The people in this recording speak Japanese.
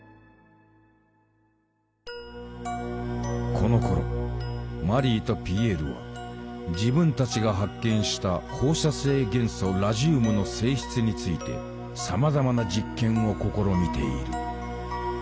このころマリーとピエールは自分たちが発見した放射性元素ラジウムの性質についてさまざまな実験を試みている。